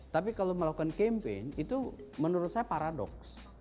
tapi kalau melakukan campaign itu menurut saya paradoks